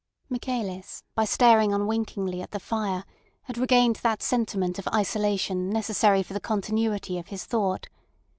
Michaelis by staring unwinkingly at the fire had regained that sentiment of isolation necessary for the continuity of his thought.